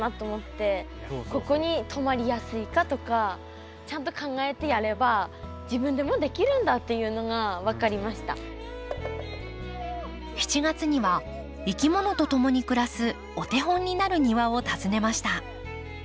ここにとまりやすいかとかちゃんと考えてやれば７月にはいきものとともに暮らすお手本になる庭を訪ねました。